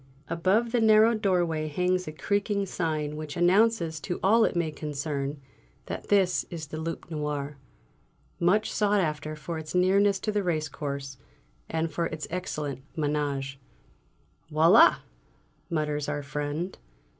Above the narrow doorway hangs a creaking sign which announces to all it may concern that this is the "Loup Noir," much sought after for its nearness to the racecourse and for its excellent ménage. "Voilà!" mutters our friend.